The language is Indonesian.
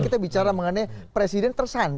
kita bicara mengenai presiden tersan